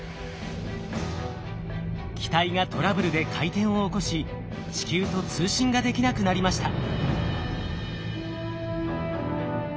機体がトラブルで回転を起こし地球と通信ができなくなりました。